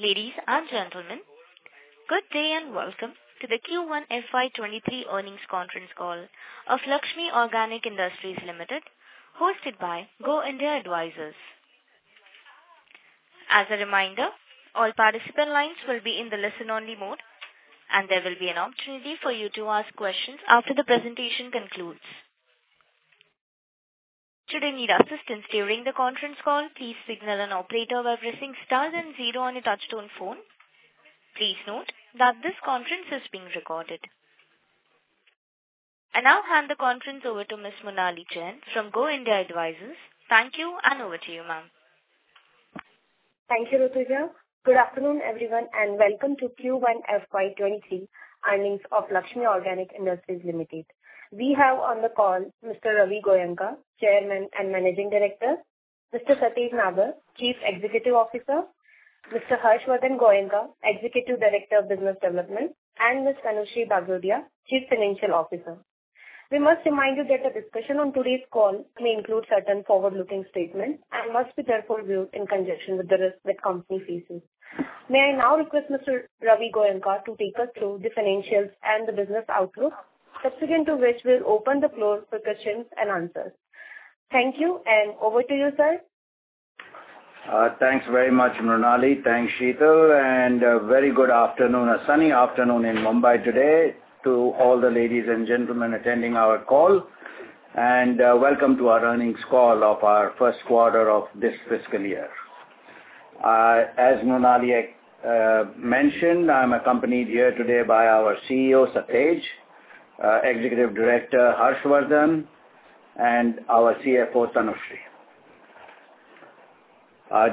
Ladies and gentlemen, good day and welcome to the Q1 FY 23 earnings conference call of Laxmi Organic Industries Limited, hosted by Go India Advisors. As a reminder, all participant lines will be in the listen-only mode, and there will be an opportunity for you to ask questions after the presentation concludes. Should you need assistance during the conference call, please signal an operator by pressing star and zero on your touchtone phone. Please note that this conference is being recorded. I now hand the conference over to Ms. Mrunali Jain from Go India Advisors. Thank you, and over to you, ma'am. Thank you, Rutuja. Good afternoon, everyone, and welcome to Q1 FY 2023 earnings of Laxmi Organic Industries Limited. We have on the call Mr. Ravi Goenka, Chairman and Managing Director, Mr. Satej Nabar, Chief Executive Officer, Mr. Harshvardhan Goenka, Executive Director of Business Development, and Ms. Tanushree Bagrodia, Chief Financial Officer. We must remind you that the discussion on today's call may include certain forward-looking statements and must be therefore viewed in conjunction with the risks the company faces. May I now request Mr. Ravi Goenka to take us through the financials and the business outlook, subsequent to which we'll open the floor for questions and answers. Thank you, and over to you, sir. Thanks very much, Mrunali. Thanks, Sheetal, and a very good afternoon, a sunny afternoon in Mumbai today to all the ladies and gentlemen attending our call. Welcome to our earnings call of our first quarter of this fiscal year. As Mrunali mentioned, I'm accompanied here today by our CEO, Satej, Executive Director, Harshvardhan, and our CFO, Tanushree.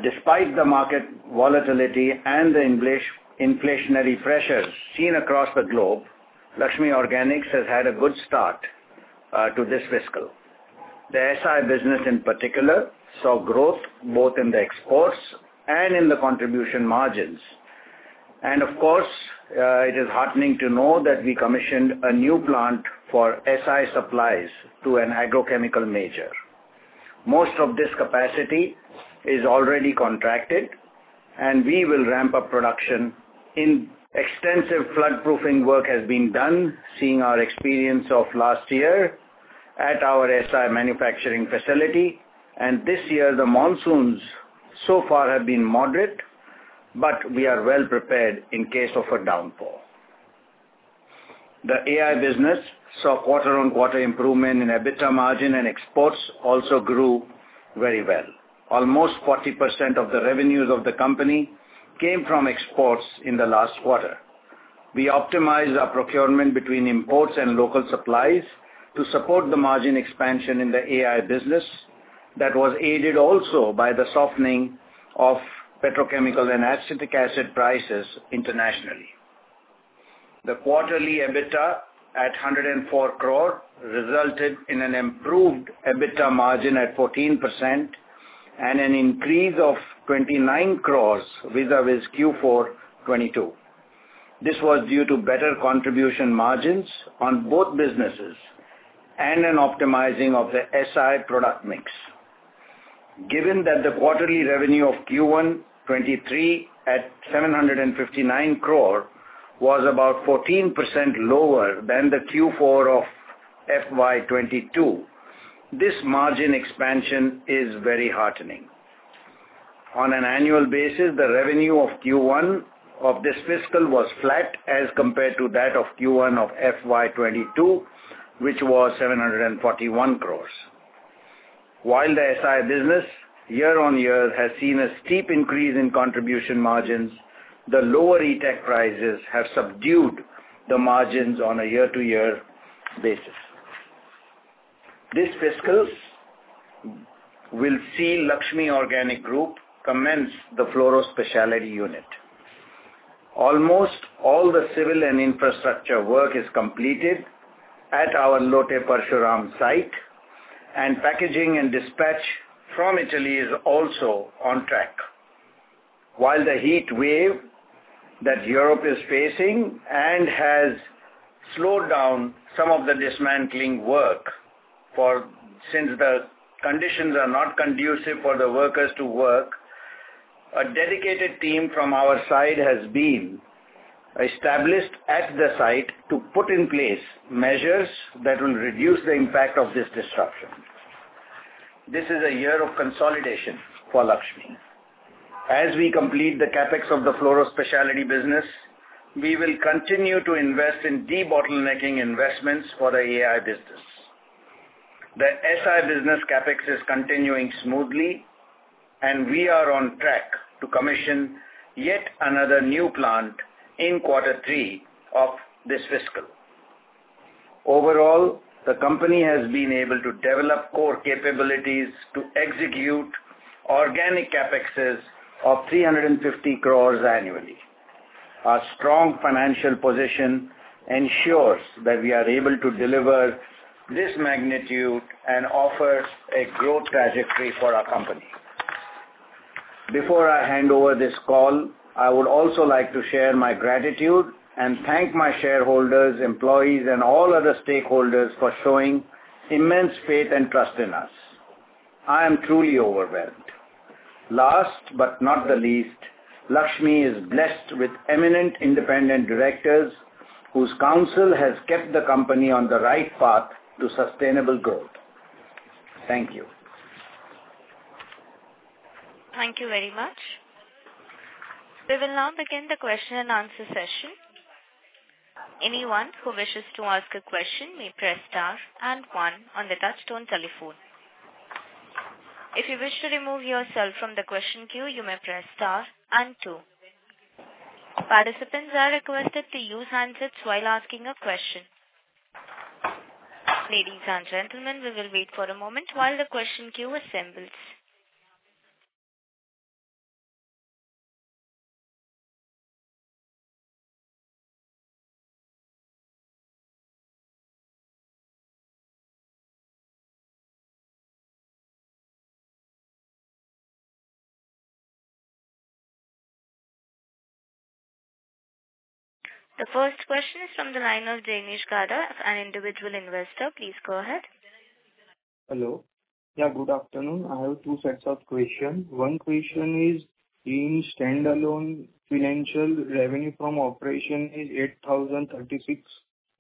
Despite the market volatility and the inflationary pressures seen across the globe, Laxmi Organics has had a good start to this fiscal. The SI business in particular saw growth both in the exports and in the contribution margins. Of course, it is heartening to know that we commissioned a new plant for SI supplies to an agrochemical major. Most of this capacity is already contracted, and we will ramp up production in. Extensive flood-proofing work has been done, seeing our experience of last year at our SI manufacturing facility. This year, the monsoons so far have been moderate, but we are well prepared in case of a downpour. The AI business saw quarter-on-quarter improvement in EBITDA margin, and exports also grew very well. Almost 40% of the revenues of the company came from exports in the last quarter. We optimized our procurement between imports and local supplies to support the margin expansion in the AI business that was aided also by the softening of petrochemical and acetic acid prices internationally. The quarterly EBITDA at 104 crore resulted in an improved EBITDA margin at 14% and an increase of 29 crore vis-a-vis Q4 2022. This was due to better contribution margins on both businesses and an optimizing of the SI product mix. Given that the quarterly revenue of Q1 2023 at 759 crore was about 14% lower than the Q4 of FY 2022, this margin expansion is very heartening. On an annual basis, the revenue of Q1 of this fiscal was flat as compared to that of Q1 of FY 2022, which was 741 crores. While the SI business year-on-year has seen a steep increase in contribution margins, the lower ETAC prices have subdued the margins on a year-to-year basis. This fiscal will see Laxmi Organic Industries commence the fluoro specialty unit. Almost all the civil and infrastructure work is completed at our Lote Parshuram site, and packaging and dispatch from Italy is also on track. While the heat wave that Europe is facing has slowed down some of the dismantling work, for since the conditions are not conducive for the workers to work, a dedicated team from our side has been established at the site to put in place measures that will reduce the impact of this disruption. This is a year of consolidation for Laxmi. As we complete the CapEx of the fluoro specialty business, we will continue to invest in debottlenecking investments for the AI business. The SI business CapEx is continuing smoothly, and we are on track to commission yet another new plant in quarter three of this fiscal. Overall, the company has been able to develop core capabilities to execute organic CapEx of 350 crore annually. Our strong financial position ensures that we are able to deliver this magnitude and offers a growth trajectory for our company. Before I hand over this call, I would also like to share my gratitude and thank my shareholders, employees, and all other stakeholders for showing immense faith and trust in us. I am truly overwhelmed. Last but not the least, Laxmi is blessed with eminent independent directors whose counsel has kept the company on the right path to sustainable growth. Thank you. Thank you very much. We will now begin the question and answer session. Anyone who wishes to ask a question may press star and one on the touchtone telephone. If you wish to remove yourself from the question queue, you may press star and two. Participants are requested to use handsets while asking a question. Ladies and gentlemen, we will wait for a moment while the question queue assembles. The first question is from the line of Jainish Kada, an individual investor. Please go ahead. Hello. Yeah, good afternoon. I have two sets of question. One question is, in standalone financial revenue from operation is 8,036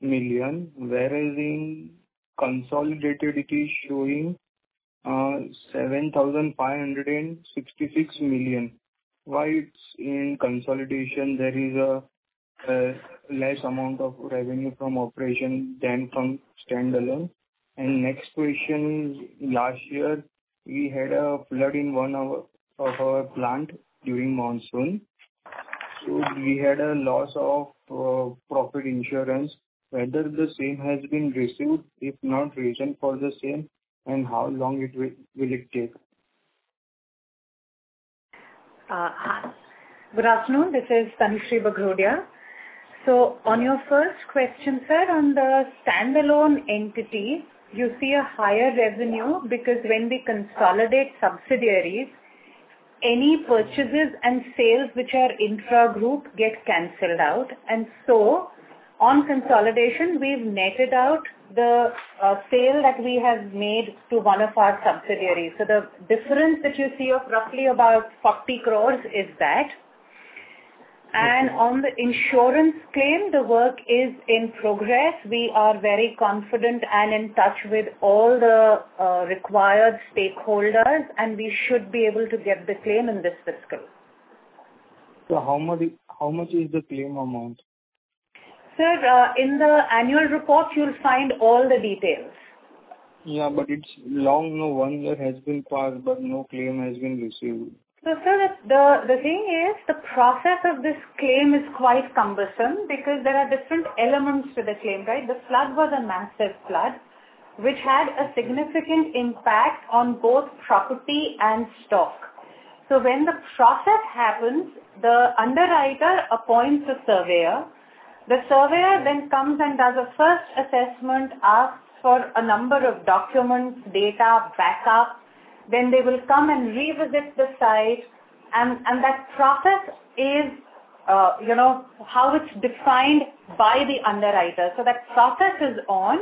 million, whereas in consolidated it is showing 7,566 million. Why it's in consolidation there is a less amount of revenue from operation than from standalone? Next question, last year we had a flood in one of our plant during monsoon, so we had a loss of property insurance. Whether the same has been received, if not, reason for the same, and how long will it take? Good afternoon. This is Tanushree Bagrodia. On your first question, sir, on the standalone entity, you see a higher revenue because when we consolidate subsidiaries, any purchases and sales which are intra-group get canceled out. On consolidation, we've netted out the sale that we have made to one of our subsidiaries. The difference that you see of roughly about 40 crore is that. Okay. On the insurance claim, the work is in progress. We are very confident and in touch with all the required stakeholders, and we should be able to get the claim in this fiscal. How much is the claim amount? Sir, in the annual report you'll find all the details. Yeah, it's long now. One year has been passed, but no claim has been received. Sir, the thing is the process of this claim is quite cumbersome because there are different elements to the claim, right? The flood was a massive flood which had a significant impact on both property and stock. When the process happens, the underwriter appoints a surveyor. The surveyor then comes and does a first assessment, asks for a number of documents, data, backup, then they will come and revisit the site and that process is, you know, how it's defined by the underwriter. That process is on.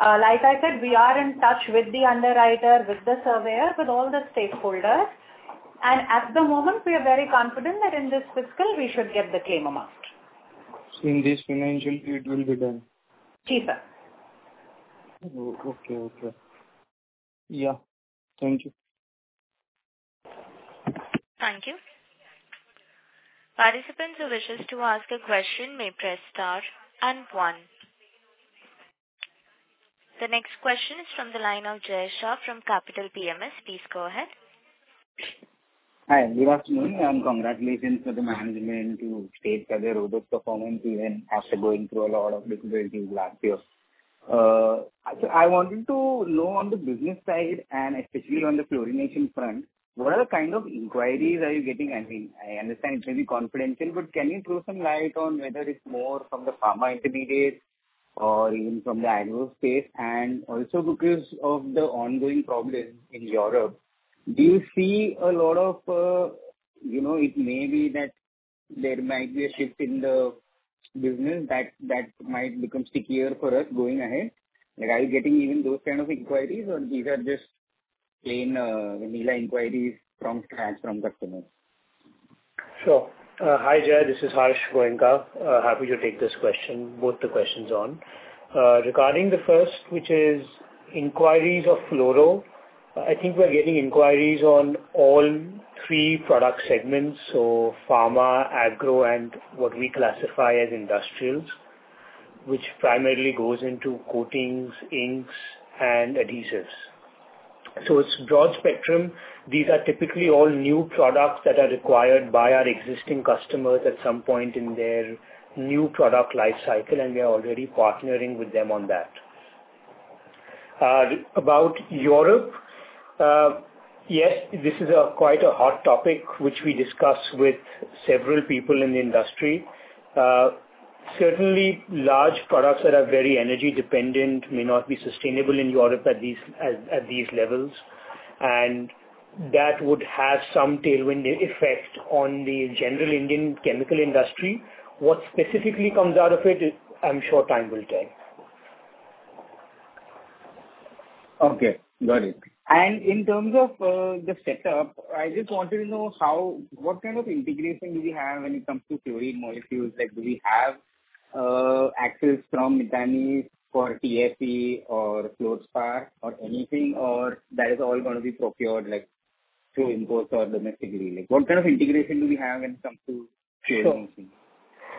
Like I said, we are in touch with the underwriter, with the surveyor, with all the stakeholders, and at the moment we are very confident that in this fiscal we should get the claim amount. In this financial year it will be done. Ji, sir. Okay. Yeah. Thank you. Thank you. Participants who wishes to ask a question may press star and one. The next question is from the line of Jay Shah from Capital PMS. Please go ahead. Hi, good afternoon and congratulations to the management to take their robust performance even after going through a lot of difficulties last year. I wanted to know on the business side and especially on the fluorination front, what are the kind of inquiries are you getting? I think I understand it may be confidential, but can you throw some light on whether it's more from the pharma intermediates or even from the agro space? Also because of the ongoing problems in Europe, do you see a lot of, you know, it may be that there might be a shift in the business that might become stickier for us going ahead. Like, are you getting even those kind of inquiries or these are just plain, vanilla inquiries from clients, from customers? Sure. Hi, Jay. This is Harshvardhan Goenka. Happy to take this question, both the questions on. Regarding the first, which is inquiries of fluoro. I think we're getting inquiries on all three product segments, so pharma, agro, and what we classify as industrials, which primarily goes into coatings, inks and adhesives. It's broad spectrum. These are typically all new products that are required by our existing customers at some point in their new product life cycle, and we are already partnering with them on that. About Europe, yes, this is quite a hot topic which we discuss with several people in the industry. Certainly large products that are very energy dependent may not be sustainable in Europe at these levels, and that would have some tailwind effect on the general Indian chemical industry. What specifically comes out of it, I'm sure time will tell. Okay, got it. In terms of the setup, I just wanted to know what kind of integration do we have when it comes to chlorine molecules? Like, do we have access from Miteni for TFE or fluorspar or anything, or that is all gonna be procured, like, through import or domestically? Like, what kind of integration do we have when it comes to trade and things?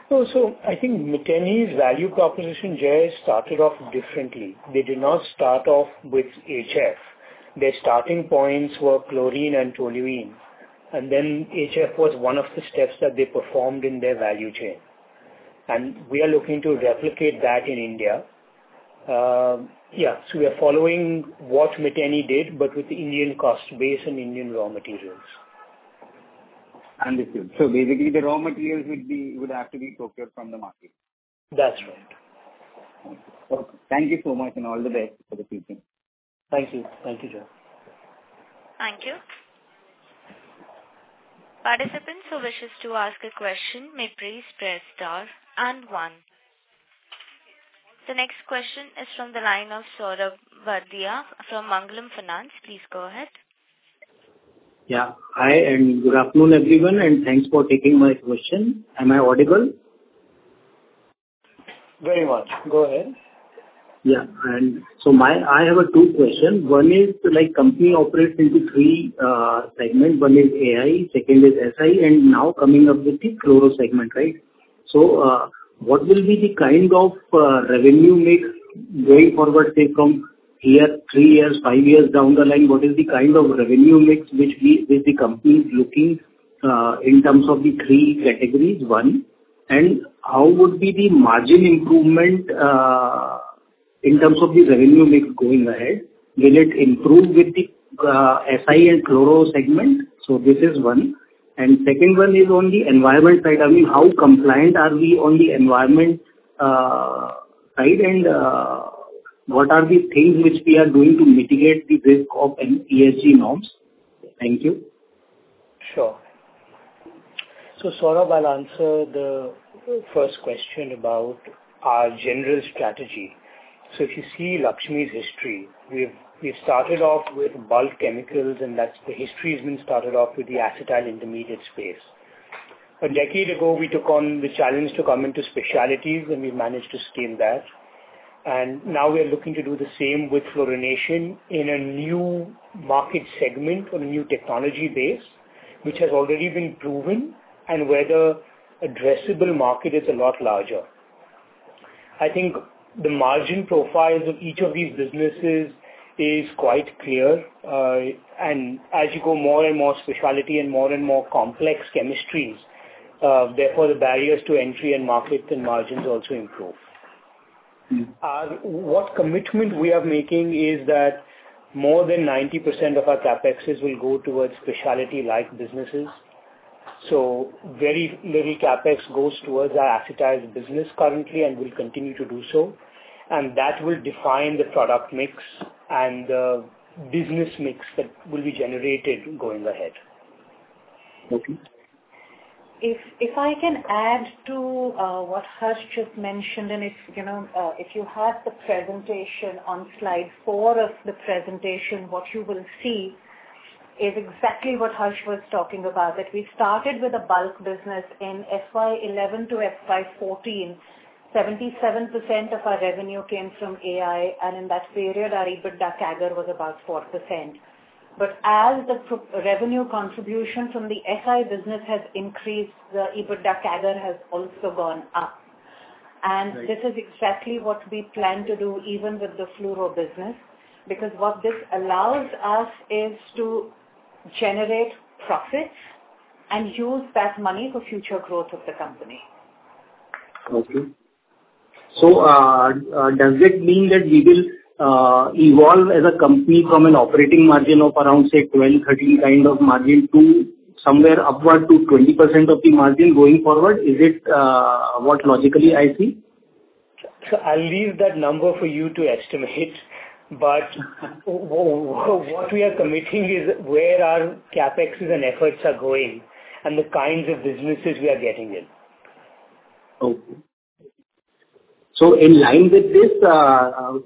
Sure. I think Mexichem's value proposition just started off differently. They did not start off with HF. Their starting points were chlorine and toluene, and then HF was one of the steps that they performed in their value chain. We are looking to replicate that in India. We are following what Mexichem did, but with Indian cost base and Indian raw materials. Understood. Basically the raw materials would have to be procured from the market. That's right. Okay. Thank you so much, and all the best for the future. Thank you. Thank you, sir. Thank you. Participants who wish to ask a question may please press star and one. The next question is from the line of Saurabh Bhatia from Mangalam Finance. Please go ahead. Yeah. Hi, and good afternoon, everyone, and thanks for taking my question. Am I audible? Very much. Go ahead. I have two questions. One is like company operates in three segments. One is AI, second is SI, and now coming up with the fluoro segment, right? What will be the kind of revenue mix going forward, say, from here three years, five years down the line, what is the kind of revenue mix which the company is looking in terms of the three categories? One. How would the margin improvement be in terms of the revenue mix going ahead? Will it improve with the SI and fluoro segment? This is one. Second one is on the environment side. I mean, how compliant are we on the environment side, and what are the things which we are doing to mitigate the risk of any ESG norms? Thank you. Sure. Saurabh, I'll answer the first question about our general strategy. If you see Laxmi's history, we've started off with bulk chemicals, and that's the history has been started off with the acetyl intermediate space. A decade ago, we took on the challenge to come into specialties and we managed to scale that. Now we are looking to do the same with fluorination in a new market segment on a new technology base, which has already been proven, and where the addressable market is a lot larger. I think the margin profiles of each of these businesses is quite clear, and as you go more and more specialty and more and more complex chemistries, therefore the barriers to entry and margins also improve. Mm-hmm. What commitment we are making is that more than 90% of our CapEx will go towards specialty-like businesses. Very little CapEx goes towards our acetyl business currently and will continue to do so. That will define the product mix and the business mix that will be generated going ahead. Okay. If I can add to what Harsh just mentioned, and, you know, if you have the presentation on slide four of the presentation, what you will see is exactly what Harsh was talking about. That we started with a bulk business in FY 2011 to FY 2014. 77% of our revenue came from AI, and in that period our EBITDA CAGR was about 4%. As the revenue contribution from the SI business has increased, the EBITDA CAGR has also gone up. Right. This is exactly what we plan to do even with the fluoro business, because what this allows us is to generate profits and use that money for future growth of the company. Does it mean that we will evolve as a company from an operating margin of around, say, 12, 13 kind of margin to somewhere upward to 20% of the margin going forward? Is it what logically I see? I'll leave that number for you to estimate. What we are committing is where our CapEx and efforts are going and the kinds of businesses we are getting in. Okay. In line with this, we are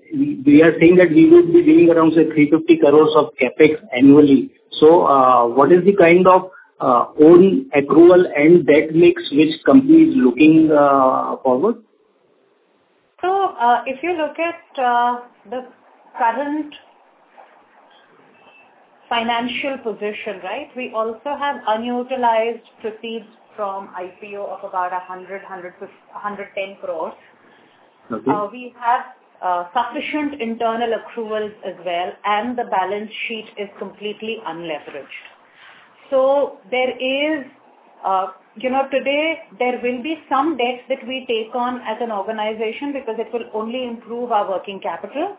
saying that we will be doing around, say, 350 crores of CapEx annually. What is the kind of own accrual and debt mix which company is looking forward? If you look at the current financial position, right? We also have unutilized proceeds from IPO of about 110 crore. Okay. We have sufficient internal accruals as well, and the balance sheet is completely unleveraged. There is you know today there will be some debts that we take on as an organization because it will only improve our working capital.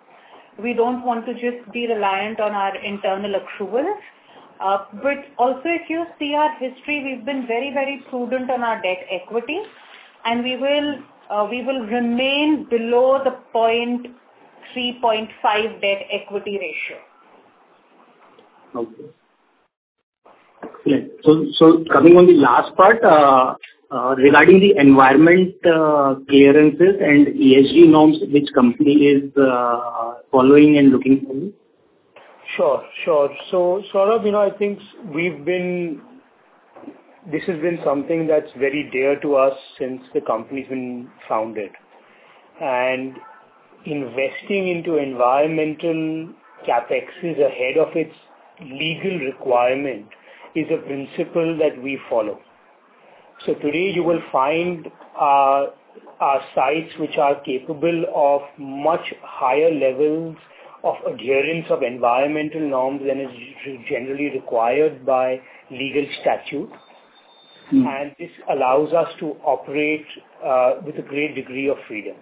We don't want to just be reliant on our internal accruals. If you see our history, we've been very, very prudent on our debt equity, and we will remain below the 0.35 debt equity ratio. Coming on the last part, regarding the environmental clearances and ESG norms which the company is following and looking for me. Sure, sure. Saurabh, this has been something that's very dear to us since the company's been founded. Investing into environmental CapExes ahead of its legal requirement is a principle that we follow. Today you will find our sites which are capable of much higher levels of adherence of environmental norms than is generally required by legal statute. Mm-hmm. This allows us to operate with a great degree of freedom.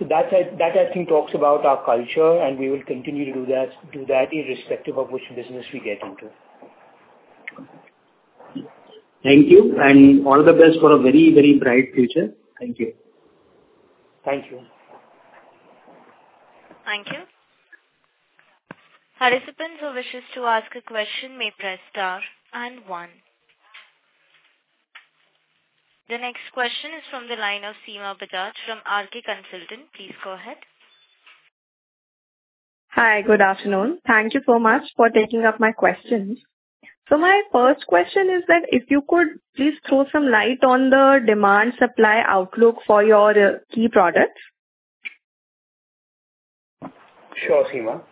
That I think talks about our culture, and we will continue to do that irrespective of which business we get into. Thank you, and all the best for a very, very bright future. Thank you. Thank you. Thank you. Participants who wishes to ask a question may press star and one. The next question is from the line of Seema Bajaj from RK Consultant. Please go ahead. Hi. Good afternoon. Thank you so much for taking up my questions. My first question is that if you could please throw some light on the demand supply outlook for your key products? Sure, Seema.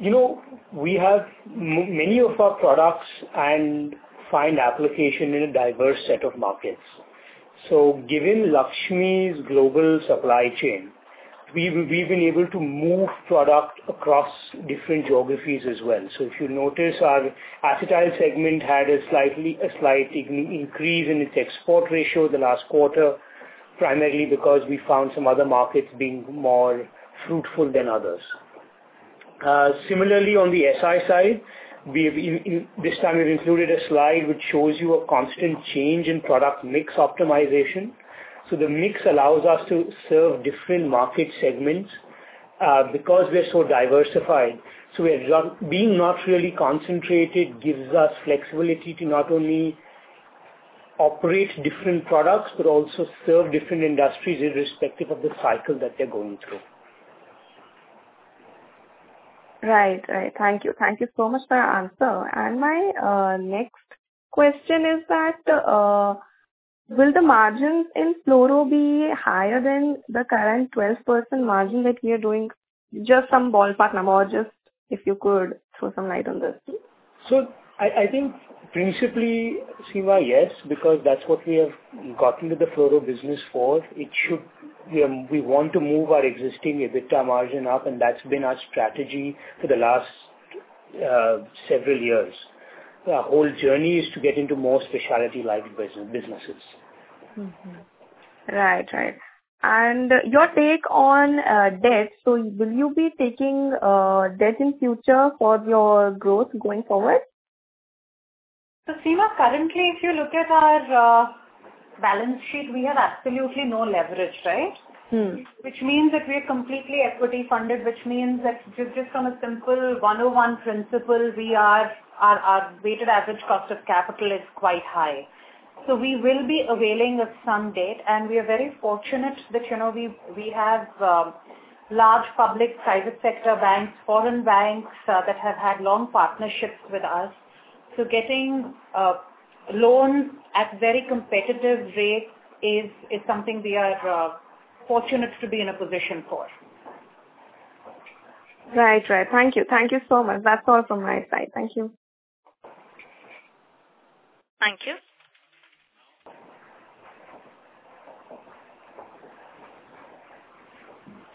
You know, we have many of our products and find application in a diverse set of markets. Given Laxmi's global supply chain, we've been able to move product across different geographies as well. If you notice our acetyl segment had a slight increase in its export ratio the last quarter, primarily because we found some other markets being more fruitful than others. Similarly on the SI side, we've in this time included a slide which shows you a constant change in product mix optimization. The mix allows us to serve different market segments, because we are so diversified. Being not really concentrated gives us flexibility to not only operate different products but also serve different industries irrespective of the cycle that they're going through. Right. Thank you so much for your answer. My next question is that will the margins in fluoro be higher than the current 12% margin that you're doing? Just some ballpark number or just if you could throw some light on this, please. I think principally, Seema, yes, because that's what we have gotten to the fluoro business for. It should. We want to move our existing EBITDA margin up, and that's been our strategy for the last several years. Our whole journey is to get into more specialty-like businesses. Mm-hmm. Right. Right. Your take on debt. Will you be taking debt in future for your growth going forward? Seema, currently if you look at our balance sheet, we have absolutely no leverage, right? Mm-hmm. Which means that we're completely equity funded, which means that just from a simple 101 principle we are. Our weighted average cost of capital is quite high. We will be availing of some debt. We are very fortunate that, you know, we have large public and private sector banks, foreign banks that have had long partnerships with us. Getting loans at very competitive rates is something we are fortunate to be in a position for. Right. Thank you so much. That's all from my side. Thank you. Thank you.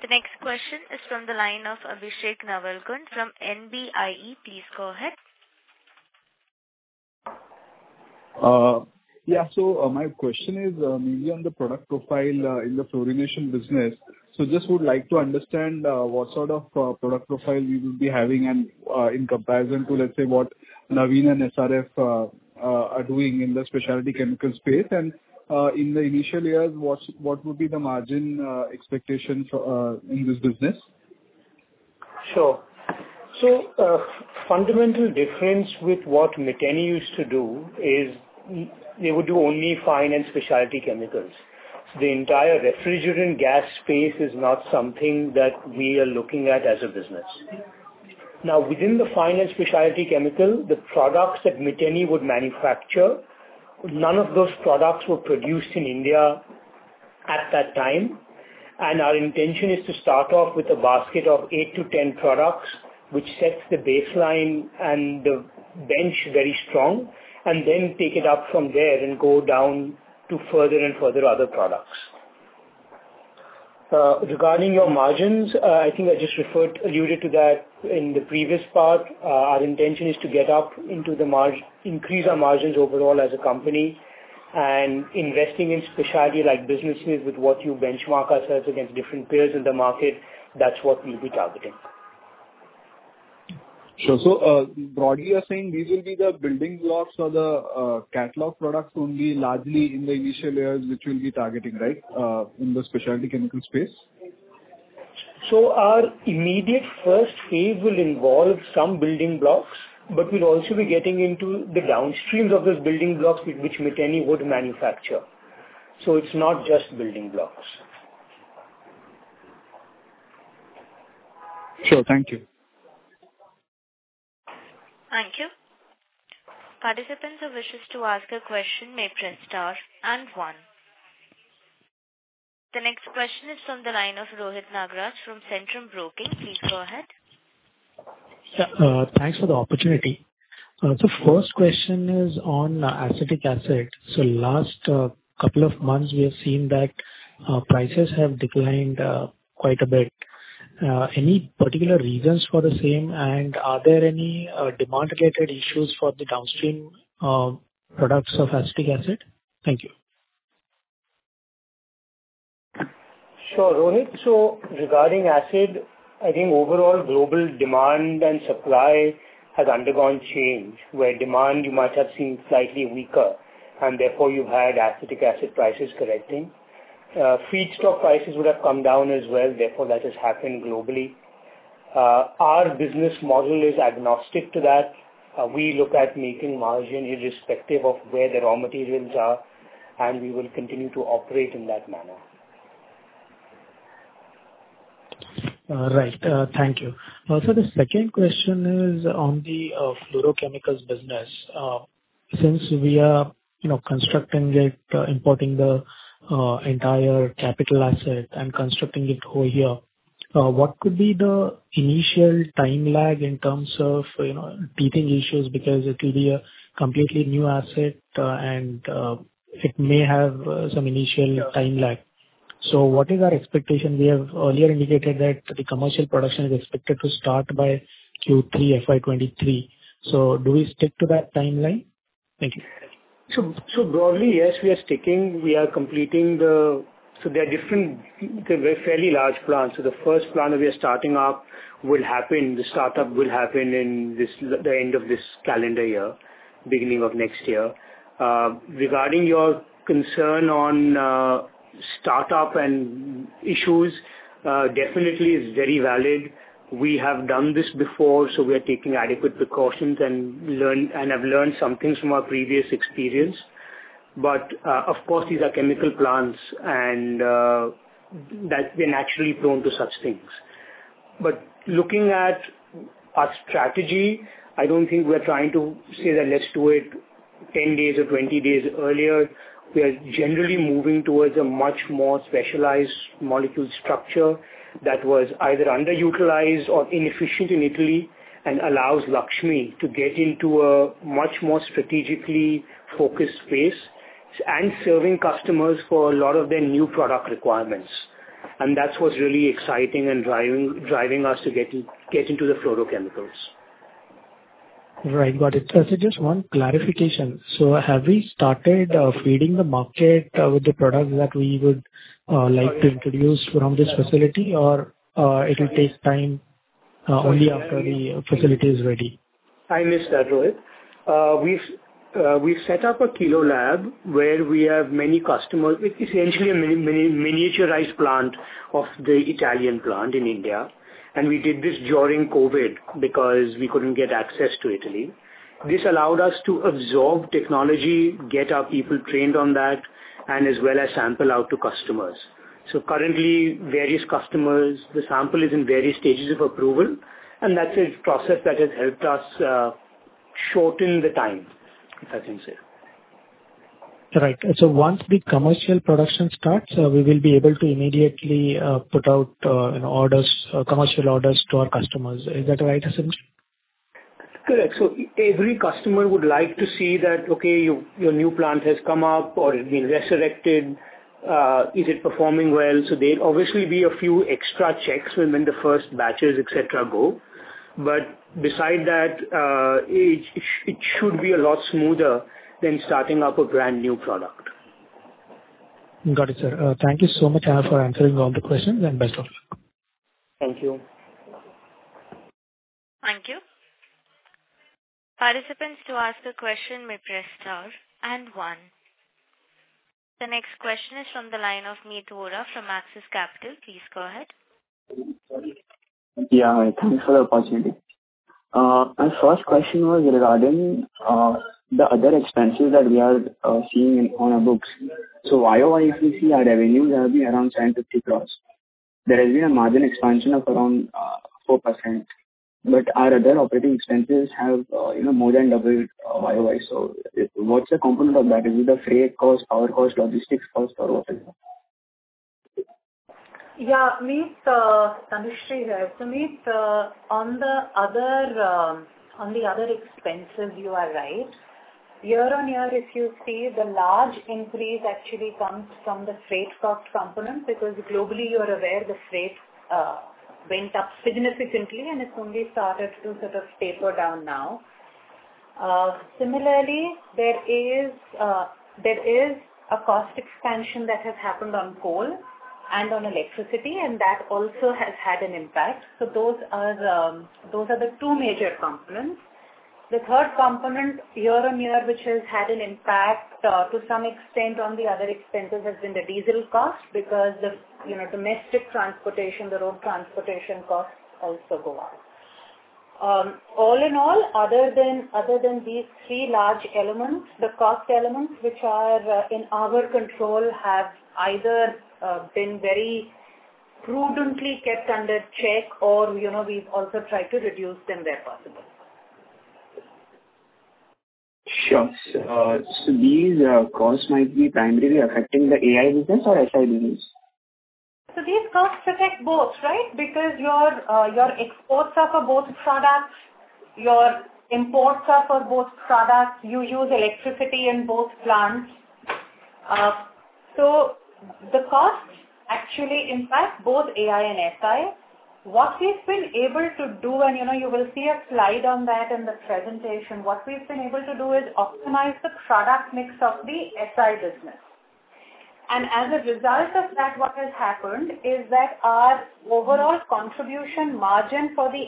The next question is from the line of Abhishek Nawalkha from NBIE. Please go ahead. Yeah. My question is maybe on the product profile in the fluorination business. Just would like to understand what sort of product profile you will be having and in comparison to, let's say, what Navin Fluorine and SRF are doing in the specialty chemical space. In the initial years, what would be the margin expectation for in this business? Sure. Fundamental difference with what Miteni used to do is they would do only fine and specialty chemicals. The entire refrigerant gas space is not something that we are looking at as a business. Now, within the fine and specialty chemical, the products that Miteni would manufacture, none of those products were produced in India at that time. Our intention is to start off with a basket of eight-10 products, which sets the baseline and the bench very strong, and then pick it up from there and go down to further and further other products. Regarding your margins, I think I just alluded to that in the previous part. Our intention is to increase our margins overall as a company and investing in specialty like businesses with what you benchmark us as against different peers in the market. That's what we'll be targeting. Sure. Broadly you're saying these will be the building blocks or the catalog products only largely in the initial layers which we'll be targeting, right, in the specialty chemical space? Our immediate first phase will involve some building blocks, but we'll also be getting into the downstreams of those building blocks with which Miteni would manufacture. It's not just building blocks. Sure. Thank you. Thank you. Participants who wish to ask a question may press star and one. The next question is from the line of Rohit Nagraj from Centrum Broking. Please go ahead. Yeah. Thanks for the opportunity. The first question is on acetic acid. Last couple of months, we have seen that prices have declined quite a bit. Any particular reasons for the same? Are there any demand related issues for the downstream products of acetic acid? Thank you. Sure, Rohit Nagraj. Regarding acid, I think overall global demand and supply has undergone change, where demand you might have seen slightly weaker, and therefore you've had acetic acid prices correcting. Feedstock prices would have come down as well, therefore that has happened globally. Our business model is agnostic to that. We look at making margin irrespective of where the raw materials are, and we will continue to operate in that manner. All right. Thank you. The second question is on the fluorochemicals business. Since we are, you know, constructing it, importing the entire capital asset and constructing it over here, what could be the initial time lag in terms of, you know, teething issues because it will be a completely new asset, and it may have some initial time lag. What is our expectation? We have earlier indicated that the commercial production is expected to start by Q3 FY 2023. Do we stick to that timeline? Thank you. Broadly, yes, we are sticking. There are different, they're fairly large plants. The first plant we are starting up will happen in the end of this calendar year, beginning of next year. Regarding your concern on startup and issues, definitely is very valid. We have done this before, so we are taking adequate precautions and have learned some things from our previous experience. Of course, these are chemical plants and, they're naturally prone to such things. Looking at our strategy, I don't think we're trying to say that let's do it 10 days or 20 days earlier. We are generally moving towards a much more specialized molecule structure that was either underutilized or inefficient in Italy and allows Laxmi to get into a much more strategically focused space and serving customers for a lot of their new product requirements. That's what's really exciting and driving us to get into the fluorochemicals. Right. Got it. Sir, just one clarification. Have we started feeding the market with the products that we would like to introduce from this facility? Or it will take time only after the facility is ready? I missed that, Rohit Nagraj. We've set up a kilo lab where we have many customers. It's essentially a miniaturized plant of the Italian plant in India. We did this during COVID because we couldn't get access to Italy. This allowed us to absorb technology, get our people trained on that, and as well as sample out to customers. Currently various customers, the sample is in various stages of approval, and that's a process that has helped us shorten the time, as you said. Right. Once the commercial production starts, we will be able to immediately put out, you know, orders, commercial orders to our customers. Is that right, Harshvardhan Goenka? Correct. Every customer would like to see that, okay, your new plant has come up or it's been resurrected, is it performing well? There'll obviously be a few extra checks when the first batches, et cetera, go. Besides that, it should be a lot smoother than starting up a brand-new product. Got it, sir. Thank you so much for answering all the questions and best of luck. Thank you. Thank you. Participants, to ask a question, may press star and one. The next question is from the line of Meet Vora from Axis Capital. Please go ahead. Yeah. Thanks for the opportunity. My first question was regarding the other expenses that we are seeing on our books. YoY, if you see our revenues have been around 10-50 crore. There has been a margin expansion of around 4%. But our other operating expenses have, you know, more than doubled YoY. What's the component of that? Is it the freight cost, power cost, logistics cost or what is it? Yeah. Meet Vora, Tanushree Bagrodia here. Meet Vora, on the other expenses, you are right. Year-on-year, if you see the large increase actually comes from the freight cost component, because globally you're aware the freight went up significantly and it's only started to sort of taper down now. Similarly, there is a cost expansion that has happened on coal and on electricity, and that also has had an impact. Those are the two major components. The third component year-on-year, which has had an impact to some extent on the other expenses, has been the diesel cost because you know, domestic transportation, the road transportation costs also go up. All in all, other than these three large elements, the cost elements which are in our control have either been very prudently kept under check or, you know, we've also tried to reduce them where possible. Sure. These costs might be primarily affecting the AI business or SI business? These costs affect both, right? Because your exports are for both products, your imports are for both products. You use electricity in both plants. The costs actually impact both AI and SI. What we've been able to do, and you know, you will see a slide on that in the presentation. What we've been able to do is optimize the product mix of the SI business. As a result of that, what has happened is that our overall contribution margin for the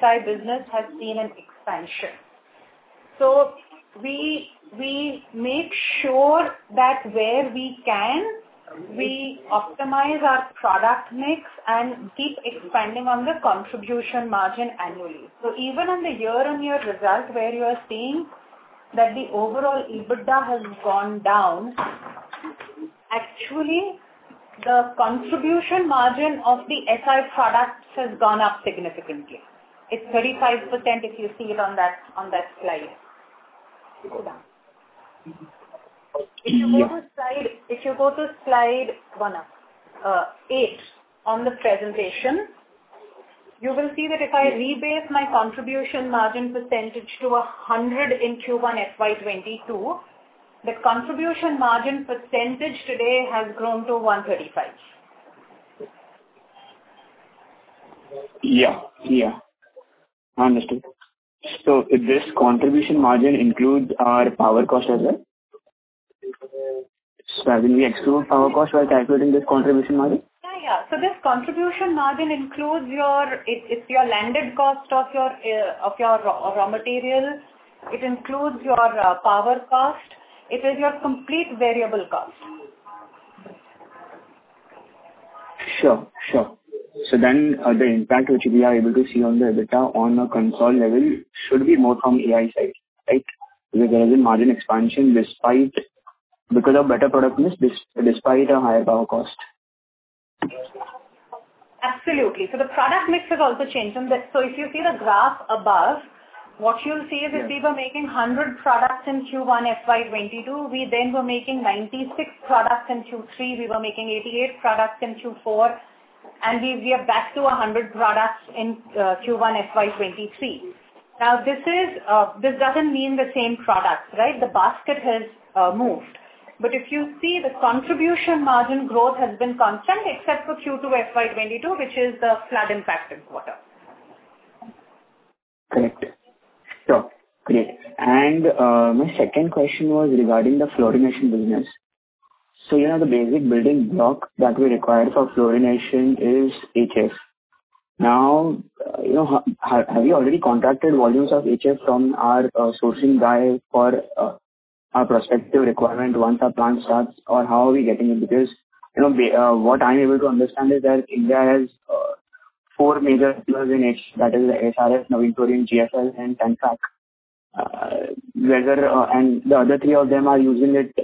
SI business has seen an expansion. We make sure that where we can, we optimize our product mix and keep expanding on the contribution margin annually. Even on the year-on-year result, where you are seeing that the overall EBITDA has gone down, actually the contribution margin of the SI products has gone up significantly. It's 35% if you see it on that slide. If you go down. Mm-hmm. If you go to slide one up, eight on the presentation, you will see that if I rebase my contribution margin percentage to 100% in Q1 FY 2022, the contribution margin percentage today has grown to 135%. Yeah. Yeah. Understood. This contribution margin includes our power cost as well? Have you excluded power cost while calculating this contribution margin? Yeah, yeah. This contribution margin includes your landed cost of your raw material. It includes your power cost. It is your complete variable cost. The impact which we are able to see on the EBITDA on a consolidated level should be more from AI side, right? Because there is a margin expansion because of better product mix, despite a higher power cost. Absolutely. The product mix has also changed. If you see the graph above, what you'll see is if we were making 100 products in Q1 FY 2022, we then were making 96 products in Q3, we were making 88 products in Q4, and we are back to 100 products in Q1 FY 2023. Now, this doesn't mean the same products, right? The basket has moved. If you see the contribution margin growth has been constant except for Q2 FY 2022, which is the flood impacted quarter. Correct. Sure. Great. My second question was regarding the fluorination business. You know the basic building block that we require for fluorination is HF. Now, you know, have you already contracted volumes of HF from our sourcing guy for our prospective requirement once our plant starts or how are we getting it? Because, you know, what I'm able to understand is that India has four major players in HF, that is SRF, now including GFL and Chemtrack. And the other three of them are using it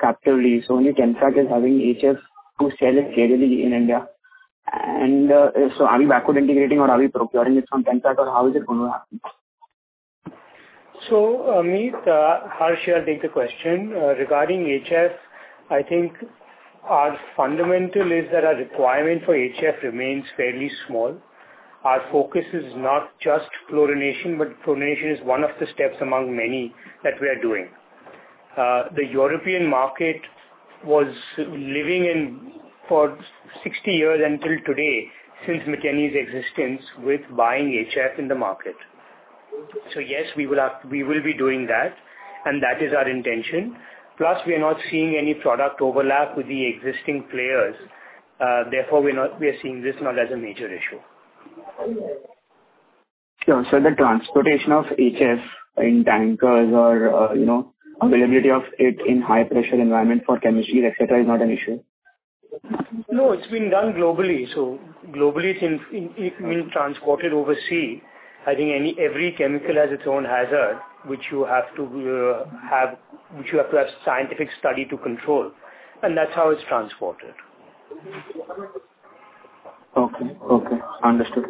captively. You know, only Chemtrack is having HF to sell it readily in India. Are we backward integrating or are we procuring it from Chemtrack or how is it gonna happen? Amit, Harsha, take the question. Regarding HF, I think our fundamental is that our requirement for HF remains fairly small. Our focus is not just fluorination, but fluorination is one of the steps among many that we are doing. The European market was living off for 60 years until today since Miteni's existence with buying HF in the market. Yes, we will be doing that, and that is our intention. Plus, we are not seeing any product overlap with the existing players. Therefore, we are seeing this not as a major issue. Sure. The transportation of HF in tankers or availability of it in high pressure environment for chemistry et cetera is not an issue? No, it's been done globally. Globally since it being transported overseas, I think every chemical has its own hazard, which you have to have scientific study to control. That's how it's transported. Okay. Understood.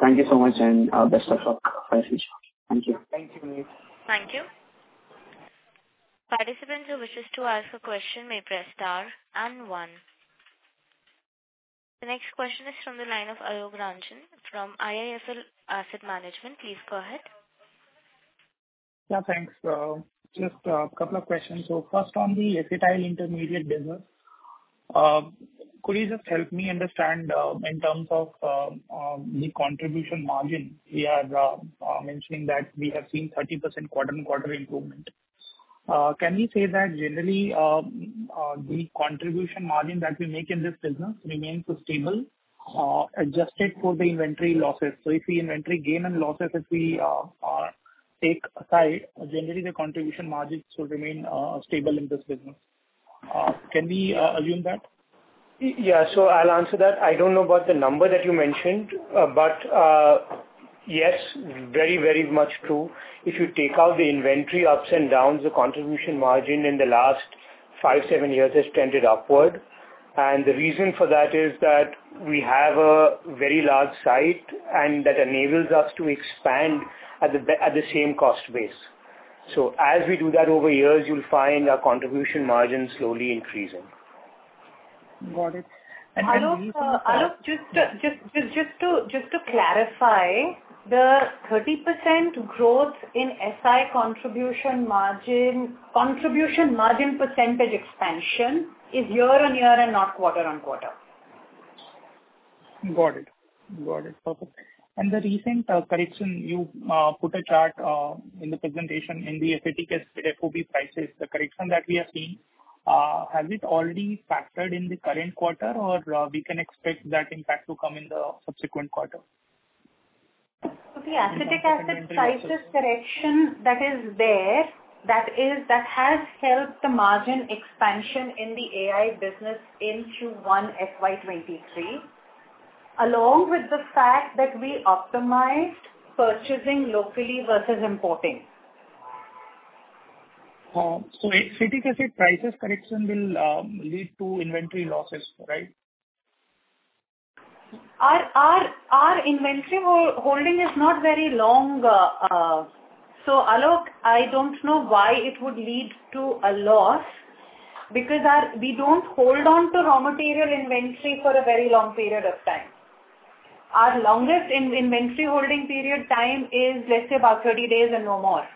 Thank you so much, and best of luck for the future. Thank you. Thank you, Amit. Thank you. Participant who wishes to ask a question may press star and one. The next question is from the line of Abhijit Ranjan from IIFL Asset Management. Please go ahead. Yeah, thanks. Just a couple of questions. First on the acetyl intermediate business. Could you just help me understand, in terms of, the contribution margin we are mentioning that we have seen 30% quarter-on-quarter improvement. Can we say that generally, the contribution margin that we make in this business remains so stable, adjusted for the inventory losses. If the inventory gain and losses, if we take aside, generally the contribution margins will remain stable in this business. Can we assume that? Yeah. I'll answer that. I don't know about the number that you mentioned, but yes, very, very much true. If you take out the inventory ups and downs, the contribution margin in the last five-seven years has tended upward. The reason for that is that we have a very large site, and that enables us to expand at the same cost base. As we do that over years, you'll find our contribution margin slowly increasing. Got it. Abhijit, just to clarify, the 30% growth in SI contribution margin, contribution margin percentage expansion is year-on-year and not quarter-on-quarter. Got it. Perfect. The recent correction, you put a chart in the presentation in the acetic acid FOB prices, the correction that we have seen, has it already factored in the current quarter, or we can expect that impact to come in the subsequent quarter? The acetic acid prices correction that has helped the margin expansion in the AI business in Q1 FY23, along with the fact that we optimized purchasing locally versus importing. acetic acid prices correction will lead to inventory losses, right? Our inventory holding is not very long, Abhijit. I don't know why it would lead to a loss because we don't hold on to raw material inventory for a very long period of time. Our longest inventory holding period time is, let's say, about 30 days and no more.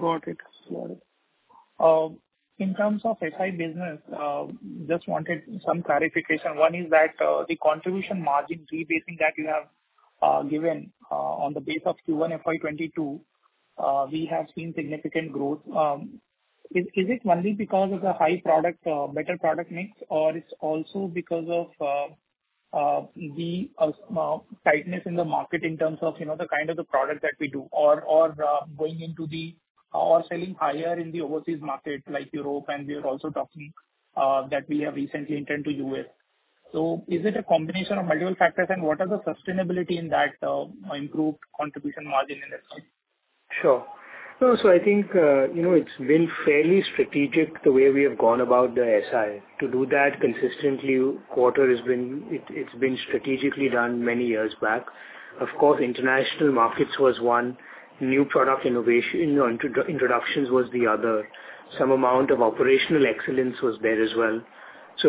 Got it. In terms of SI business, just wanted some clarification. One is that, the contribution margin rebasing that you have given, on the base of Q1 FY 2022, we have seen significant growth. Is it only because of the high product, better product mix, or it's also because of the tightness in the market in terms of, you know, the kind of the product that we do or selling higher in the overseas market like Europe, and we are also talking that we have recently entered to U.S. Is it a combination of multiple factors and what are the sustainability in that improved contribution margin in this one? Sure. No, I think, you know, it's been fairly strategic the way we have gone about the SI. To do that consistently quarter has been. It's been strategically done many years back. Of course, international markets was one. New product innovation, you know, introductions was the other. Some amount of operational excellence was there as well.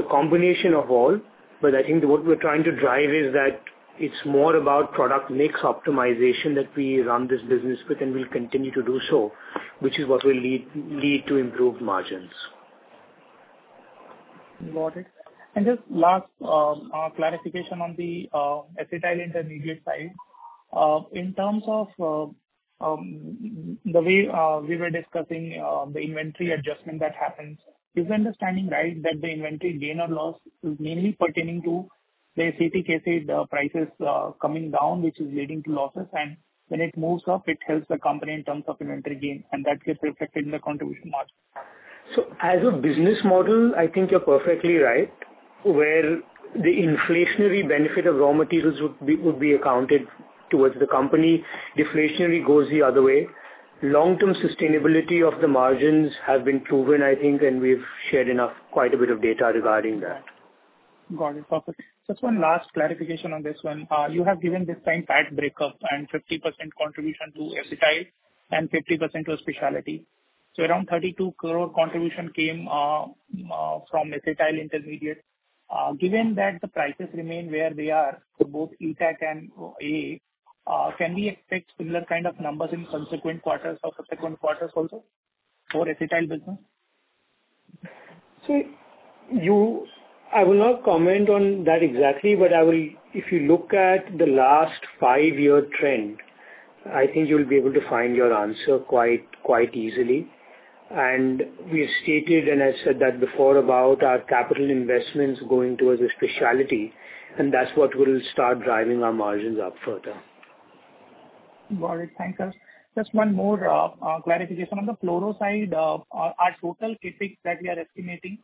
Combination of all, but I think what we're trying to drive is that it's more about product mix optimization that we run this business with and will continue to do so, which is what will lead to improved margins. Got it. Just last clarification on the acetyl intermediate side. In terms of the way we were discussing the inventory adjustment that happens, is my understanding right that the inventory gain or loss is mainly pertaining to the acetic acid prices coming down, which is leading to losses? When it moves up, it helps the company in terms of inventory gain, and that gets reflected in the contribution margin. As a business model, I think you're perfectly right, where the inflationary benefit of raw materials would be accounted towards the company. Deflationary goes the other way. Long-term sustainability of the margins have been proven, I think, and we've shared enough, quite a bit of data regarding that. Got it. Perfect. Just one last clarification on this one. You have given this time PAT breakup and 50% contribution to acetyl and 50% to specialty. Around 32 crore contribution came from acetyl intermediate. Given that the prices remain where they are for both ETAC and OA, can we expect similar kind of numbers in consecutive quarters or subsequent quarters also for acetyl business? I will not comment on that exactly, but I will. If you look at the last five-year trend, I think you'll be able to find your answer quite easily. We stated, and I said that before, about our capital investments going towards the specialty, and that's what will start driving our margins up further. Got it. Thanks. Just one more clarification. On the fluoro side, our total CapEx that we are estimating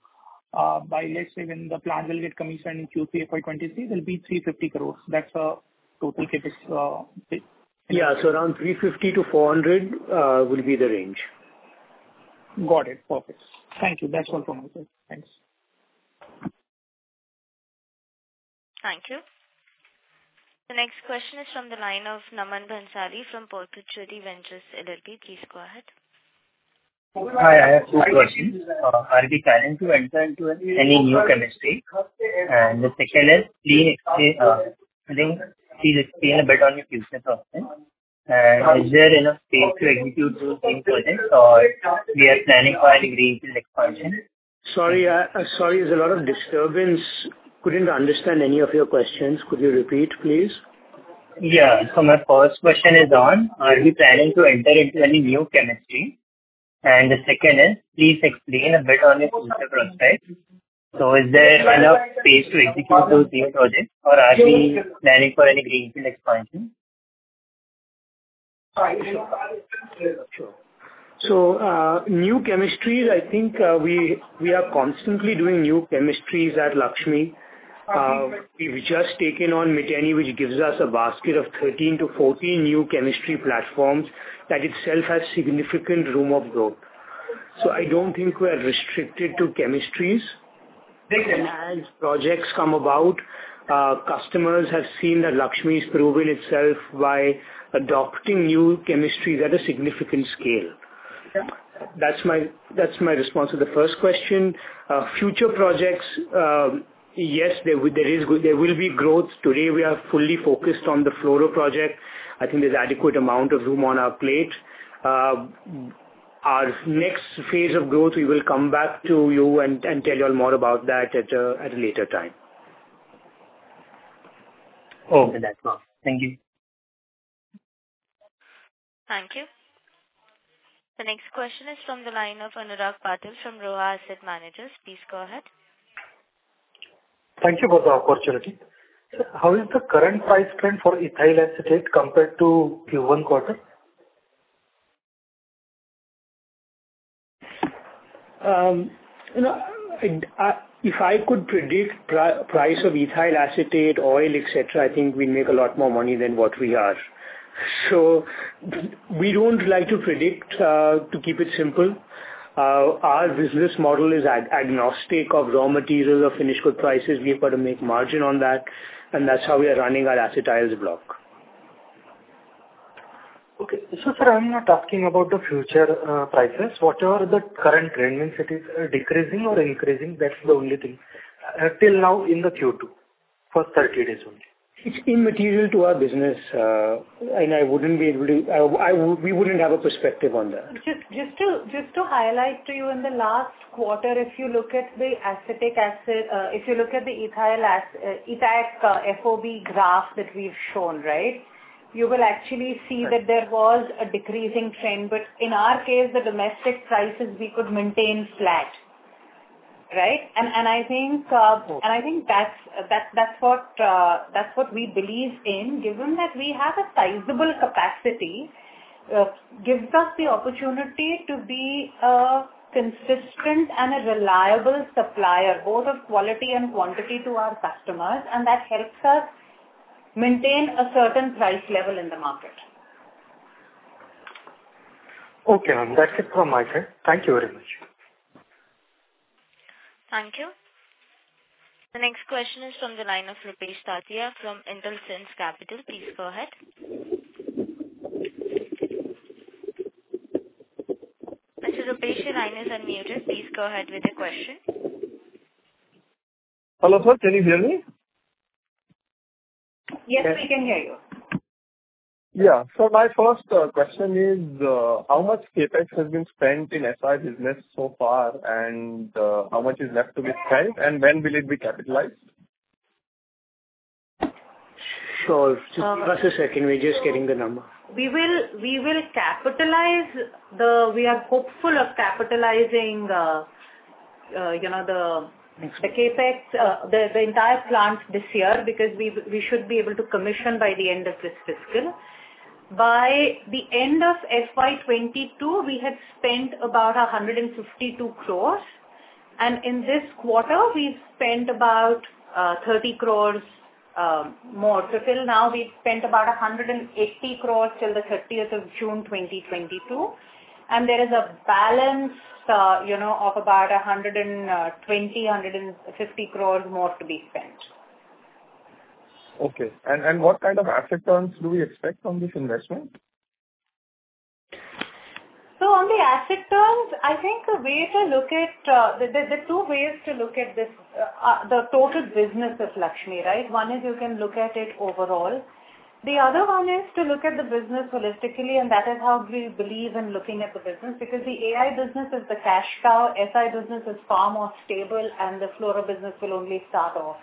by let's say when the plant will get commissioned in Q3 FY 2023 will be 350 crore. That's total CapEx bit. Yeah. Around 350-400 will be the range. Got it. Perfect. Thank you. That's all from my side. Thanks. Thank you. The next question is from the line of Naman Bhansali from Portfoliocity Ventures LLP. Please go ahead. Hi, I have two questions. Are we planning to enter into any new chemistry? The second is, please explain a bit on your future prospects. Is there enough space to execute those same projects, or we are planning for any greenfield expansion? Sorry, I'm sorry, there's a lot of disturbance. Couldn't understand any of your questions. Could you repeat, please? Yeah. My first question is, on are we planning to enter into any new chemistry? The second is, please explain a bit on your future prospects. Is there enough space to execute those same projects, or are we planning for any greenfield expansion? Sorry. Sure. New chemistries, I think, we are constantly doing new chemistries at Laxmi. We've just taken on Miteni, which gives us a basket of 13-14 new chemistry platforms that itself has significant room of growth. I don't think we're restricted to chemistries. Okay. As projects come about, customers have seen that Laxmi's proven itself by adopting new chemistries at a significant scale. Yeah. That's my response to the first question. Future projects, yes, there will be growth. Today, we are fully focused on the fluoro project. I think there's adequate amount of room on our plate. Our next phase of growth, we will come back to you and tell you all more about that at a later time. Okay, that's all. Thank you. Thank you. The next question is from the line of Anurag Patil from Roha Asset Managers. Please go ahead. Thank you for the opportunity. How is the current price trend for Ethyl Acetate compared to Q1 quarter? You know, I think if I could predict price of Ethyl Acetate, oil, et cetera, I think we make a lot more money than what we are. We don't like to predict to keep it simple. Our business model is agnostic of raw materials or finished good prices. We've got to make margin on that, and that's how we are running our acetyls block. Okay. Sir, I'm not asking about the future, prices. What are the current trend means it is decreasing or increasing, that's the only thing, till now in the Q2, for 30 days only. It's immaterial to our business, and we wouldn't have a perspective on that. Just to highlight to you, in the last quarter, if you look at the acetic Acid, if you look at the ETAC FOB graph that we've shown, right? You will actually see that there was a decreasing trend. In our case, the domestic prices we could maintain flat, right? I think that's what we believe in. Given that we have a sizable capacity, gives us the opportunity to be a consistent and a reliable supplier, both of quality and quantity to our customers, and that helps us maintain a certain price level in the market. Okay, ma'am. That's it from my side. Thank you very much. Thank you. The next question is from the line of Rupesh Tatia from Intelsense Capital. Please go ahead. Mr. Rupesh, your line is unmuted. Please go ahead with your question. Hello, sir. Can you hear me? Yes, we can hear you. My first question is, how much CapEx has been spent in SI business so far, and how much is left to be spent, and when will it be capitalized? Sure. Just a second. We're just getting the number. We are hopeful of capitalizing the CapEx, the entire plant this year because we should be able to commission by the end of this fiscal. By the end of FY 2022, we had spent about 152 crores. In this quarter we've spent about 30 crores more. Till now we've spent about 180 crores till the 30th of June 2022. There is a balance of about 120 crores-150 crores more to be spent. What kind of asset turns do we expect from this investment? On the asset turns, I think the way to look at this, there's two ways to look at this, the total business of Laxmi, right? One is you can look at it overall. The other one is to look at the business holistically, and that is how we believe in looking at the business. Because the AI business is the cash cow, SI business is far more stable, and the fluoro business will only start off.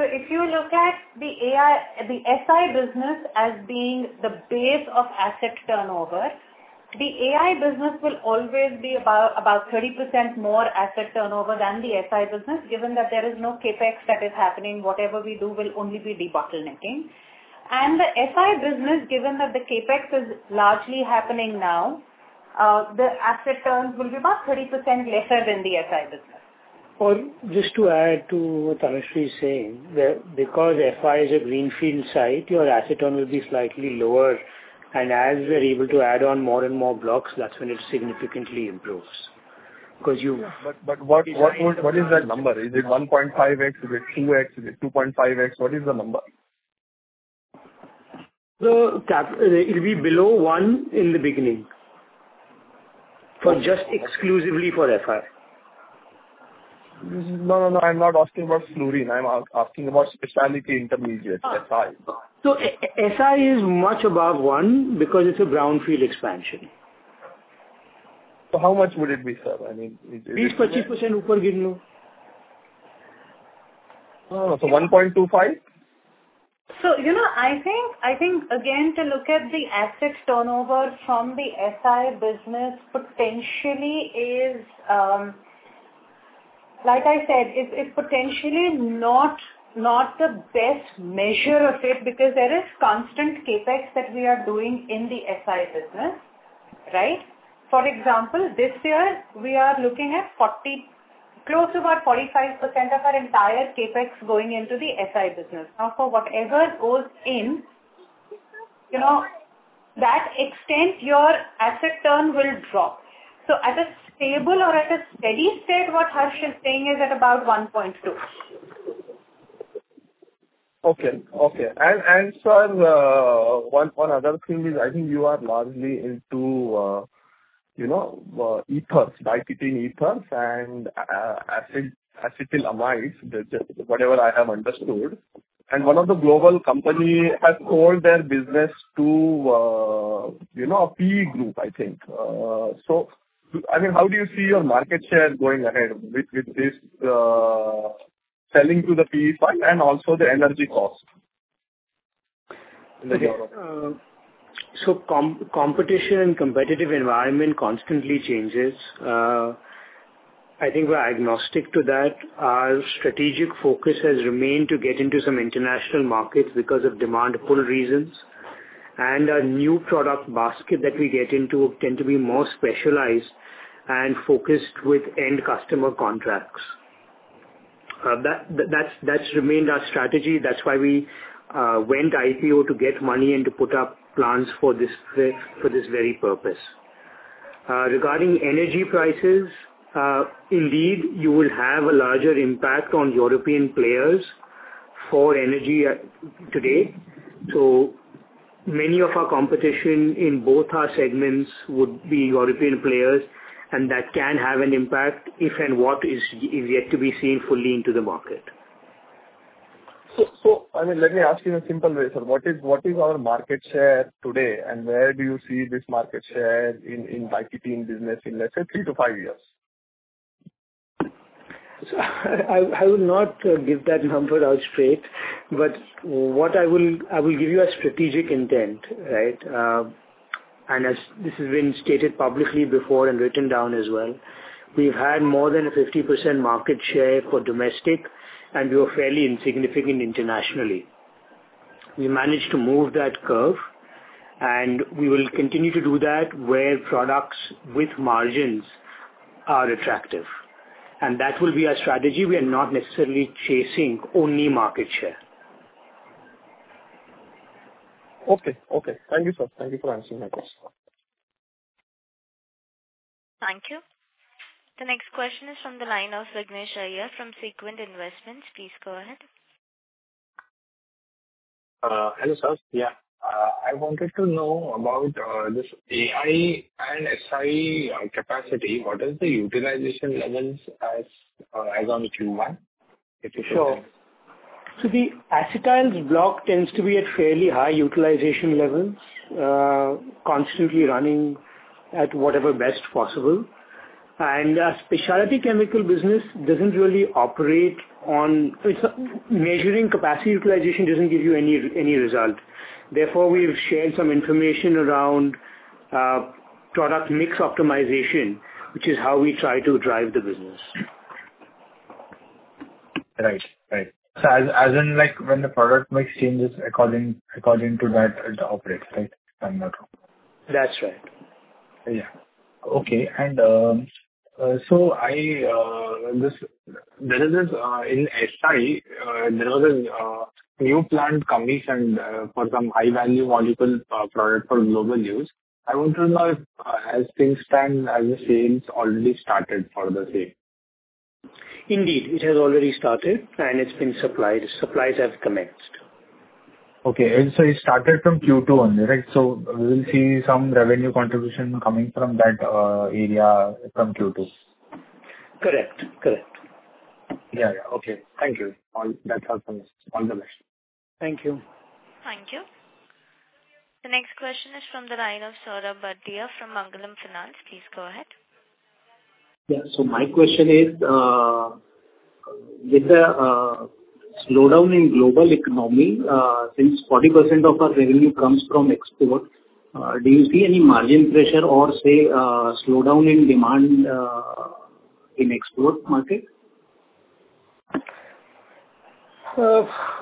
If you look at the AI, the SI business as being the base of asset turnover, the AI business will always be about 30% more asset turnover than the SI business, given that there is no CapEx that is happening. Whatever we do will only be debottlenecking. The SI business, given that the CapEx is largely happening now, the asset turns will be about 30% lesser than the SI business. Just to add to what Tanushree is saying, that because SI is a greenfield site, your asset turn will be slightly lower. As we're able to add on more and more blocks, that's when it significantly improves. What is that number? Is it 1.5x? Is it 2x? Is it 2.5x? What is the number? The cap, it'll be below one in the beginning. For just exclusively for SI. No, no. I'm not asking about fluorine. I'm asking about specialty intermediates, SI. SI is much above one because it's a brownfield expansion. How much would it be, sir? I mean, is it? 20%. Oh, 1.25? You know, I think again, to look at the asset turnover from the SI business potentially is. Like I said, is potentially not the best measure of it because there is constant CapEx that we are doing in the SI business, right? For example, this year we are looking at 40, close to about 45% of our entire CapEx going into the SI business. Now, for whatever goes in, you know, to that extent your asset turn will drop. At a stable or at a steady state, what Harsh is saying is at about one point two. sir, one other thing is I think you are largely into, you know, ethers, diphenyl ethers, and acetoacetamide, that whatever I have understood, and one of the global company has sold their business to, you know, PE group, I think. So, I mean, how do you see your market share going ahead with this selling to the PE fund and also the energy cost in Europe? Competition and competitive environment constantly changes. I think we're agnostic to that. Our strategic focus has remained to get into some international markets because of demand pull reasons. Our new product basket that we get into tend to be more specialized and focused with end customer contracts. That's remained our strategy. That's why we went IPO to get money and to put up plans for this very purpose. Regarding energy prices, indeed, there will be a larger impact on European players for energy today. Many of our competition in both our segments would be European players, and that can have an impact if and what it is yet to be seen fully in the market. I mean, let me ask you in a simple way, sir. What is our market share today and where do you see this market share in biphenyl business in, let's say three-five years? I will not give that number out straight, but I will give you a strategic intent, right? This has been stated publicly before and written down as well. We've had more than a 50% market share for domestic, and we were fairly insignificant internationally. We managed to move that curve, and we will continue to do that where products with margins are attractive. That will be our strategy. We are not necessarily chasing only market share. Okay. Thank you, sir. Thank you for answering my question. Thank you. The next question is from the line of Vignesh Iyer from Sequent Investments. Please go ahead. Hello, sir. Yeah. I wanted to know about this AI and SI capacity. What is the utilization levels as on Q1, if you could tell? Sure. The acetyl block tends to be at fairly high utilization levels, constantly running at whatever best possible. Our specialty chemical business doesn't really operate on measuring capacity utilization. It doesn't give you any result. Therefore, we've shared some information around product mix optimization, which is how we try to drive the business. Right. As in, like, when the product mix changes according to that, it operates, right? If I'm not wrong. That's right. In SI, there was a new plant commissioned for some high-value molecule product for global use. I want to know if, as things stand, have the sales already started for the same? Indeed. It has already started, and it's been supplied. Supplies have commenced. Okay. It started from Q2 only, right? We'll see some revenue contribution coming from that area from Q2. Correct. Yeah. Okay. Thank you. That's all from me. All the best. Thank you. Thank you. The next question is from the line of Saurabh Bhatia from Mangalam Finance. Please go ahead. Yeah. My question is, with the slowdown in global economy, since 40% of our revenue comes from export, do you see any margin pressure or say, slowdown in demand, in export market?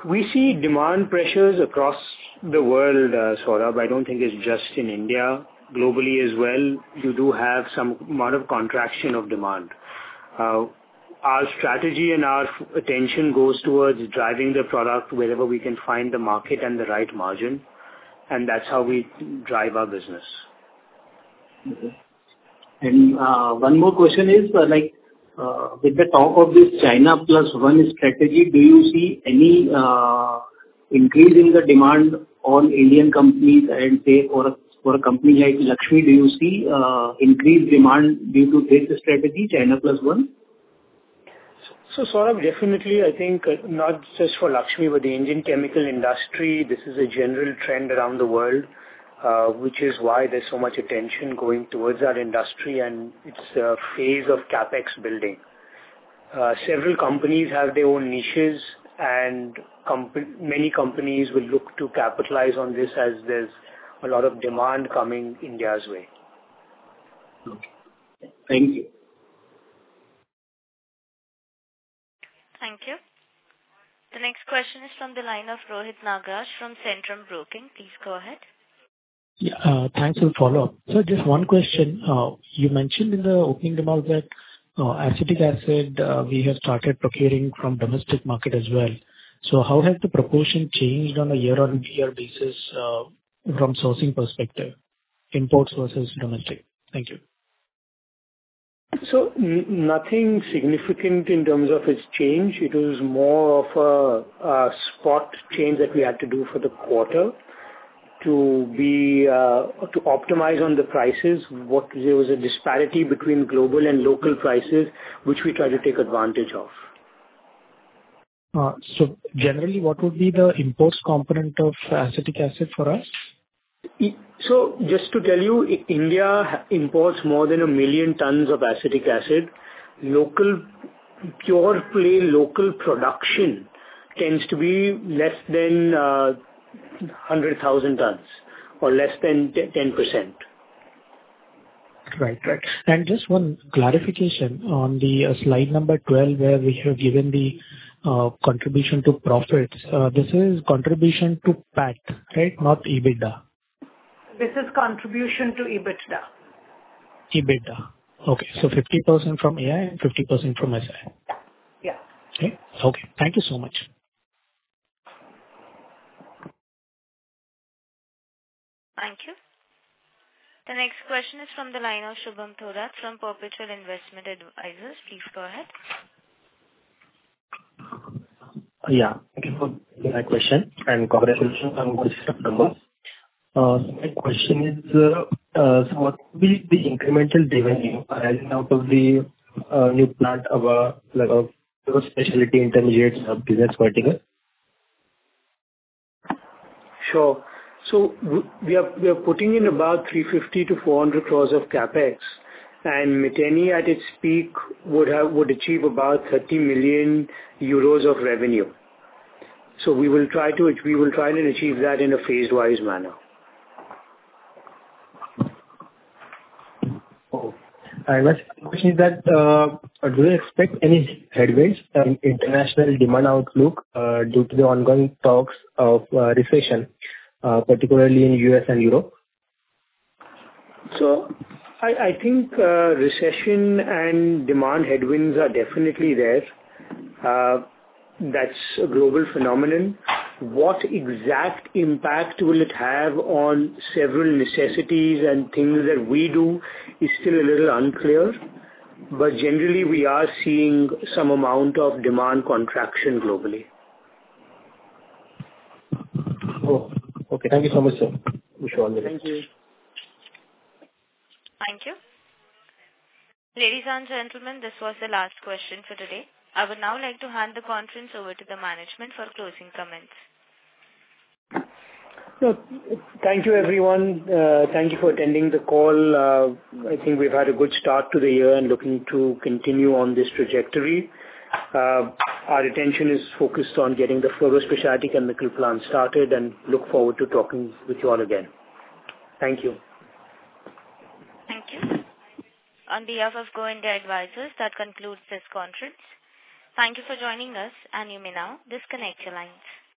We see demand pressures across the world, Saurabh. I don't think it's just in India. Globally as well, you do have some amount of contraction of demand. Our strategy and our attention goes towards driving the product wherever we can find the market and the right margin, and that's how we drive our business. Okay. One more question is, like, with the talk of this China plus one strategy, do you see any increase in the demand on Indian companies and say for a company like Laxmi, do you see increased demand due to this strategy, China plus one? Saurabh, definitely, I think not just for Laxmi, but the Indian chemical industry. This is a general trend around the world, which is why there's so much attention going towards our industry. It's a phase of CapEx building. Several companies have their own niches and many companies will look to capitalize on this as there's a lot of demand coming India's way. Okay. Thank you. Thank you. The next question is from the line of Rohit Nagraj from Centrum Broking. Please go ahead. Yeah. Thanks. Will follow up. Just one question. You mentioned in the opening remarks that acetic acid we have started procuring from domestic market as well. How has the proportion changed on a year-on-year basis, from sourcing perspective, import sources, domestic? Thank you. Nothing significant in terms of its change. It was more of a spot change that we had to do for the quarter to optimize on the prices. There was a disparity between global and local prices, which we try to take advantage of. Generally, what would be the import component of acetic acid for us? Just to tell you, India imports more than 1 million tons of acetic acid. Local pure play local production tends to be less than 100,000 tons or less than 10%. Right. Just one clarification on the slide number 12, where we have given the contribution to profits. This is contribution to PAT, right? Not EBITDA. This is contribution to EBITDA. EBITDA. Okay. 50% from AI and 50% from SI. Yeah. Okay. Okay. Thank you so much. Thank you. The next question is from the line of Shubham Thodath from Perpetual Investment Advisors. Please go ahead. Yeah. Thank you for taking my question and congratulations on good set of numbers. My question is, what will be the incremental revenue arising out of the new plant, like, your specialty intermediates business vertical? Sure. We are putting in about 350-400 crores of CapEx. Miteni at its peak would have, would achieve about 30 million euros of revenue. We will try and achieve that in a phase-wise manner. Cool. Last question is that, do you expect any headwinds from international demand outlook, due to the ongoing talks of recession, particularly in U.S. and Europe? I think recession and demand headwinds are definitely there. That's a global phenomenon. What exact impact will it have on several necessities and things that we do is still a little unclear. Generally, we are seeing some amount of demand contraction globally. Cool. Okay. Thank you so much, sir. Wish you all the best. Thank you. Thank you. Ladies and gentlemen, this was the last question for today. I would now like to hand the conference over to the management for closing comments. Thank you, everyone. Thank you for attending the call. I think we've had a good start to the year and looking to continue on this trajectory. Our attention is focused on getting the fluorospecialty chemical plant started, and look forward to talking with you all again. Thank you. Thank you. On behalf of Go India Advisors, that concludes this conference. Thank you for joining us, and you may now disconnect your lines.